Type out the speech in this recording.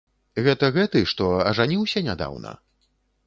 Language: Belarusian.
Гэта гэты, што ажаніўся нядаўна?